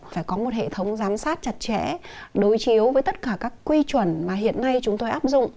phải có một hệ thống giám sát chặt chẽ đối chiếu với tất cả các quy chuẩn mà hiện nay chúng tôi áp dụng